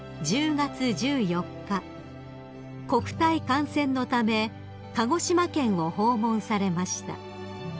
国体観戦のため鹿児島県を訪問されました］